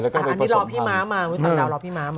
อันนี้รอพี่ม้ามาต่างดาวรอพี่ม้ามา